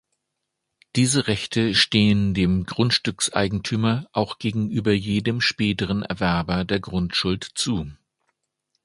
Diese Rechte stehen dem Grundstückseigentümer auch gegenüber jedem späteren Erwerber der Grundschuld zu.